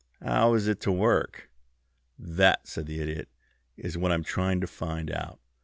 "How is it to work?" "That," said the Idiot, "is what I am trying to find out.